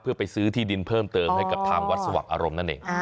เพื่อไปซื้อที่ดินเพิ่มเติมให้กับทางวัดสว่างอารมณ์นั่นเอง